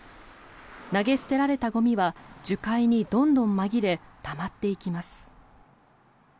投げ捨てられたゴミは樹海にどんどんまぎれたまっていきます。